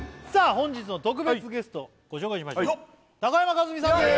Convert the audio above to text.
本日の特別ゲストご紹介しましょう高山一実さんです